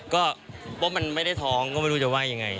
ก็ว่ามันไม่ได้ท้องก็ไม่รู้จะว่ายังไง